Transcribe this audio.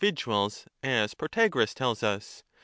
viduals, as Protagoras tells us?